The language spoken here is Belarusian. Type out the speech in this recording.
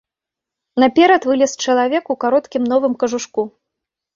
Наперад вылез чалавек у кароткім новым кажушку.